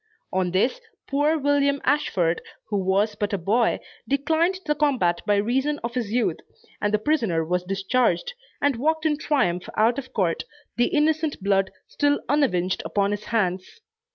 On this, poor William Ashford, who was but a boy, declined the combat by reason of his youth, and the prisoner was discharged, and walked in triumph out of court, the innocent blood still unavenged upon his hands.